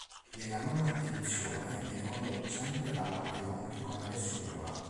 Nella nona edizione viene condotto sempre dalla Maionchi con Alessio Viola.